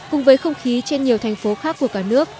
cùng với không khí trên nhiều thành phố khác của cả nước